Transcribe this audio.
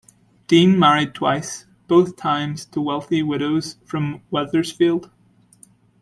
Deane married twice, both times to wealthy widows from Wethersfield.